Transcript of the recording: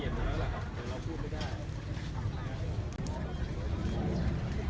สวัสดีครับคุณผู้ชาย